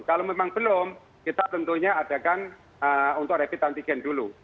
kalau memang belum kita tentunya adakan untuk rapid antigen dulu